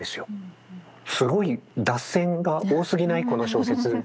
すごい脱線が多すぎないこの小説みたいな。